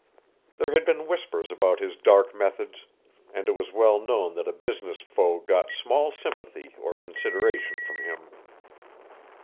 There had been whispers about his dark methods, and it was well known that a business foe got small sympathy or consideration from him.